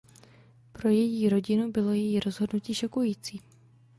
Pro její rodinu bylo její rozhodnutí šokující.